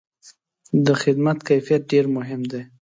د خدمت کیفیت ډېر مهم دی.